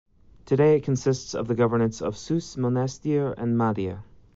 Today it consists of the governorates of Sousse, Monastir and Mahdia.